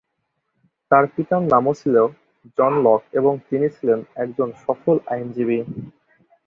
তার পিতার নামও ছিল জন লক এবং তিনি ছিলেন একজন সফল আইনজীবী।